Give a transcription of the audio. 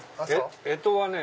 干支はね